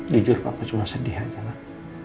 jujur papa cuma sedih aja lah